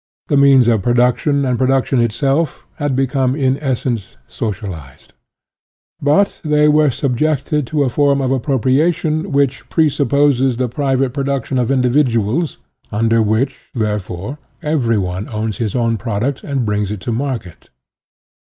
The means of production, and production itself, had be come in essence socialized. But they were UTOPIAN AND SCIENTIFIC IO3 subjected to a form of appropriation which presupposes the private production of indi viduals, under which, therefore, every one owns his own product and brings it to market.